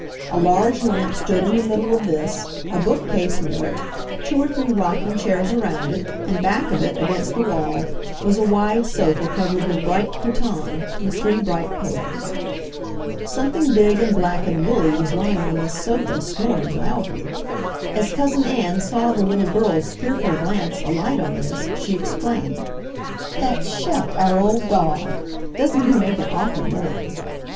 A large lamp stood in the middle of this, a bookcase near it, two or three rocking chairs around it, and back of it, against the wall, was a wide sofa covered with bright cretonne, with three bright pillows. Something big and black and woolly was lying on this sofa, snoring loudly. As Cousin Ann saw the little girl's fearful glance alight on this she explained: "That's Shep, our old dog. Doesn't he make an awful noise!